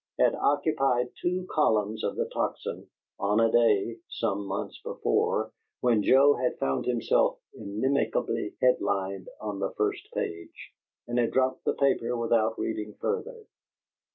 had occupied two columns in the Tocsin, on a day, some months before, when Joe had found himself inimically head lined on the first page, and had dropped the paper without reading further.